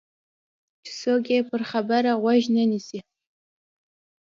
چې څوک یې پر خبره غوږ نه نیسي.